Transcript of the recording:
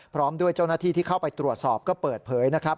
พร้อมด้วยเจ้าหน้าที่ที่เข้าไปตรวจสอบก็เปิดเผยนะครับ